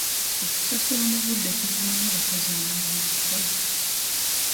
Okusasula mu budde kuzzaamu abakozi amaanyi okukola.